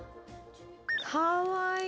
かわいい。